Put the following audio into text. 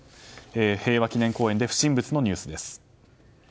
平和記念公園で不審物のニュースです。